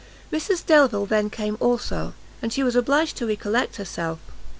Mrs Delvile then came also, and she was obliged to recollect herself.